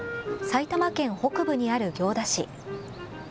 埼玉県北部にある行田市。